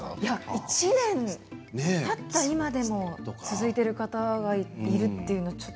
１年たった今でも続いている方がいるというのはね。